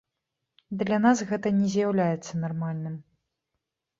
Для нас гэта не з'яўляецца нармальным.